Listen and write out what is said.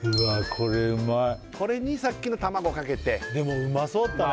これうまいこれにさっきの卵をかけてでもうまそうだったね